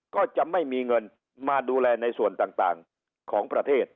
ก็จะไม่มีเงินมาดูแลในส่วนต่างของประเทศ